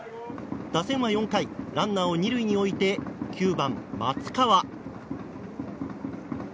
打線は４回ランナーを２塁に置いて９番、松川。